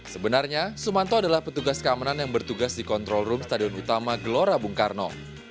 sebenarnya sumanto adalah petugas keamanan yang bertugas di kontrol room stadion utama gelora bung karno